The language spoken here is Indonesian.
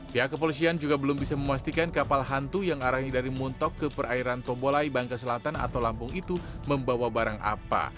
pihak kepolisian juga belum bisa memastikan kapal hantu yang arahnya dari muntok ke perairan tombolai bangka selatan atau lampung itu membawa barang apa